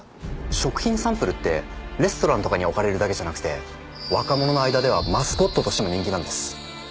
食品サンプルってレストランとかに置かれるだけじゃなくて若者の間ではマスコットとしても人気なんです。